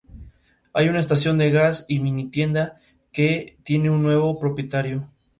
La unión de ambos formó la poderosa familia Láscaris de Ventimiglia.